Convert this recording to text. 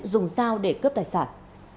dùng dao để cướp tài sản